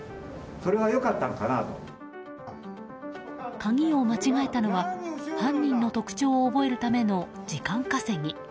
鍵を間違えたのは犯人の特徴を覚えるための時間稼ぎ。